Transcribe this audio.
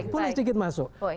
punya sedikit masuk